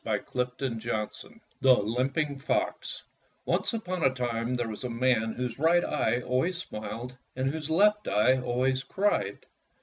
THE LIMPING FOX f THE LIMPING FOX O NCE upon a time there was a man whose right eye always smiled, and whose left eye always cried.